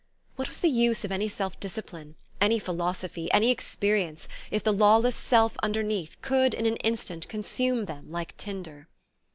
What was the use of any self discipline, any philosophy, any experience, if the lawless self underneath could in an instant consume them like tinder?